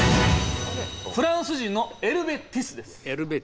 フランス人のエルヴェ・ティスです。